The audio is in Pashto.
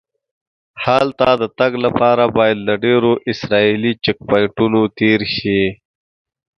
هلته د تګ لپاره باید له ډېرو اسرایلي چیک پواینټونو تېر شې.